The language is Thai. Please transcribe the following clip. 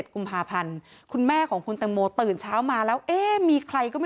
กุมภาพันธ์คุณแม่ของคุณตังโมตื่นเช้ามาแล้วเอ๊ะมีใครก็ไม่